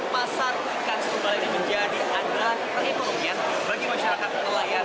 pasar ikan sumbar ini menjadi andalan perekonomian bagi masyarakat nelayan